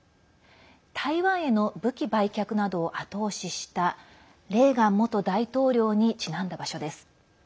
台湾への武器売却などを後押ししたレーガン元大統領にちなんだ場所です。